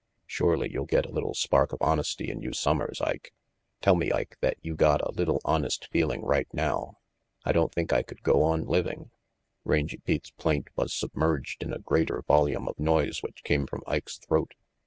Shorely you got a little spark of honesty in you summers, Ike. Tell me, Ike, that you got a little RANGY PETE 5 honest feeling right now. I don't think I could go on living Rangy Pete's plaint was submerged in a greater volume of noise which came from Ike's throat.